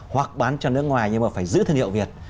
hoặc bán cho nước ngoài nhưng mà phải giữ thương hiệu việt